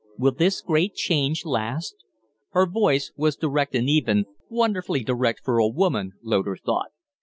Will this great change last?" Her voice was direct and even wonderfully direct for a woman, Loder thought.